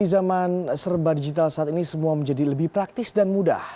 di zaman serba digital saat ini semua menjadi lebih praktis dan mudah